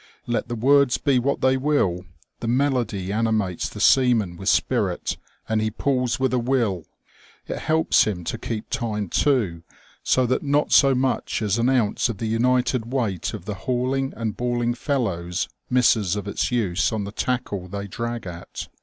Let the words be what they will, the melody animates the seaman with spirit and he pulls with a will ; it helps him to keep time too, so that not so much as an ounce of the united weight of the hauling and bawling fellows misses of its use on the tackle they drag at.